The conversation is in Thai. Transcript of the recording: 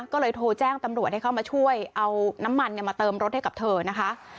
ก็เลยโทรแจ้งตำรวจให้เข้ามาช่วยเอาน้ำมันมาเติมรถให้กับเธอนะคะ